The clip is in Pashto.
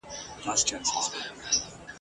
ته به لېري په پټي کي خپل واښه کړې !.